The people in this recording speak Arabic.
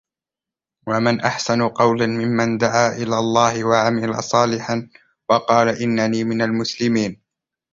ومن أحسن قولا ممن دعا إلى الله وعمل صالحا وقال إنني من المسلمين